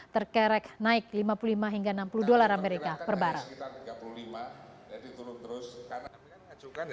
terkerek naik lima puluh lima hingga enam puluh dolar amerika per barat